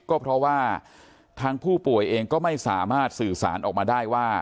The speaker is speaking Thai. ก็เพราะว่าทางผู้ป่วยเองก็ไม่สามารถสื่อสารออกมาได้ว่า